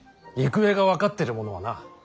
行方が分かってる者はな。